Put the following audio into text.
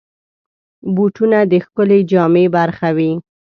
بوټونه د ښکلې جامې برخه وي.